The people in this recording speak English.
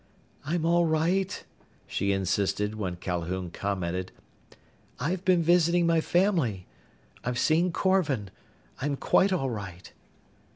"I'm all right," she insisted, when Calhoun commented. "I've been visiting my family. I've seen Korvan. I'm quite all right."